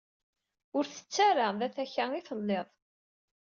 Ur tettu ara d takka i telliḍ.